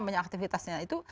banyak aktivitasnya itu